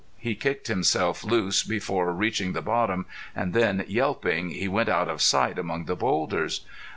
He kicked himself loose before reaching the bottom and then, yelping, he went out of sight among the boulders.